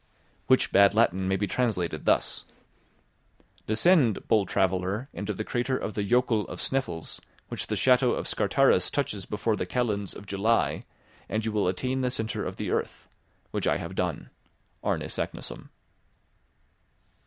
Which bad Latin may be translated thus: "Descend, bold traveller, into the crater of the jokul of Sneffels, which the shadow of Scartaris touches before the kalends of July, and you will attain the centre of the earth; which I have done, Arne Saknussemm."